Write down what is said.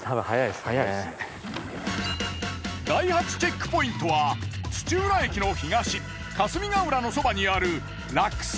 第８チェックポイントは土浦駅の東霞ヶ浦のそばにあるラクス